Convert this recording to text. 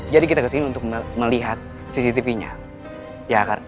jadi kita kesini untuk melihat cctv nya ya kan